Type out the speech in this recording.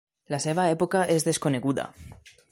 La seva època és desconeguda.